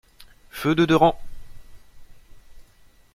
Feu de deux rangs!